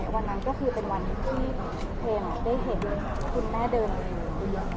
วันนั้นเป็นวันที่เพลงได้เห็นคุณแม่เดินทางสุดท้าย